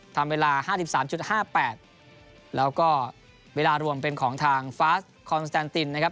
ทำเวลา๕๓๕๘แล้วก็เวลารวมเป็นของทางฟาสคอนสแตนตินนะครับ